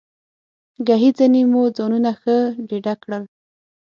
ګهیځنۍ مو ځانونه ښه ډېډه کړل.